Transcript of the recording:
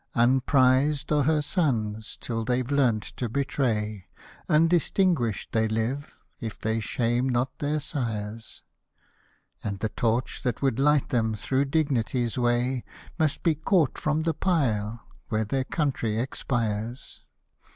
Unprized are her sons, till they've learned to betray ; Undistinguished they live, if they shame not their sires ; 3 Hosted by Google 4 IRISH MELODIES And the torch, that would light them thro' dignity's way, Must be caught from the pile, where their country expires.